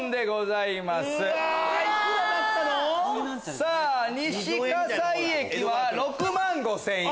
さぁ西西駅は６万５０００円。